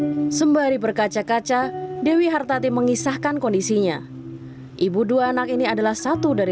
hai sembari berkaca kaca dewi hartati mengisahkan kondisinya ibu dua anak ini adalah satu dari